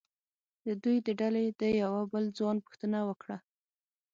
د دوی د ډلې د یوه بل ځوان پوښتنه وکړه.